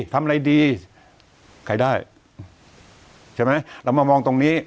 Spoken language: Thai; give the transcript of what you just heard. ทำอะไรดีใครได้ใช่ไหมเรามามองตรงนี้